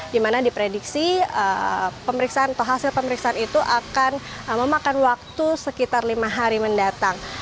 di mana diprediksi pemeriksaan atau hasil pemeriksaan itu akan memakan waktu sekitar lima hari mendatang